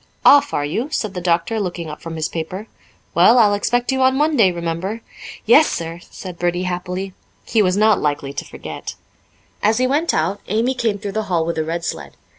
"Off, are you?" said the doctor, looking up from his paper. "Well, I'll expect you on Monday, remember." "Yes, sir," said Bertie happily. He was not likely to forget. As he went out Amy came through the hall with a red sled.